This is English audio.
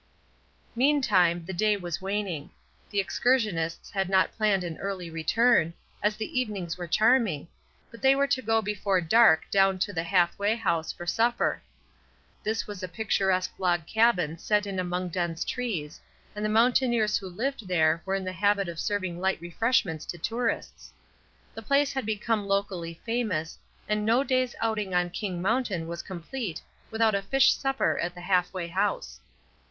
Meantime, the day was waning. The excur sionists had not planned an early return, as the evenings were charming, but they were to go before dark down to the Half way House for supper. This was a picturesque log cabin set in among dense trees, and the mountaineers who lived there were in the habit of serving hght refreshments to tourists. The place had become locally famous, and no day's outing on King Mountain was complete without a fish supper at the Half way House.